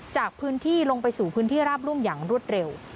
จากพื้นที่ลงไปสู่พื้นที่ราบรุ่มอย่างรวดเร็ว